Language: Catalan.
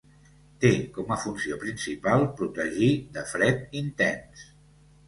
Té com a funció principal protegir de fred intens.